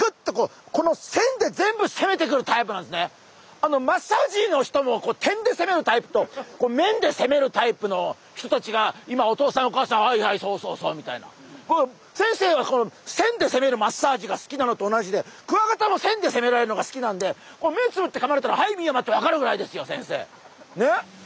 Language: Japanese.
であのマッサージの人も点で攻めるタイプと面で攻めるタイプの人たちが今お父さんお母さん「はいはいそうそうそう」みたいな。先生はこの線で攻めるマッサージが好きなのと同じでクワガタも線で攻められるのが好きなんで目ぇつぶって噛まれたら「はいミヤマ」ってわかるぐらいですよ先生。ね？